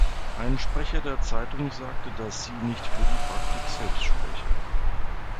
Ein Sprecher der Zeitung sagte, dass sie nicht für die Praktik selbst spreche.